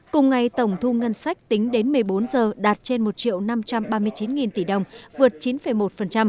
cùng ngày tổng thu ngân sách tính đến một mươi bốn h đạt trên một năm trăm ba mươi chín tỷ đồng vượt chín một